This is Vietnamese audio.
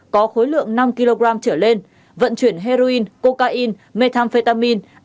có khối lượng năm kg trở lên vận chuyển heroin cocaine methamphetamin